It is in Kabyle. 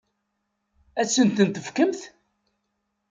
Ad asent-ten-tefkemt?